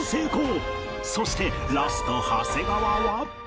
そしてラスト長谷川は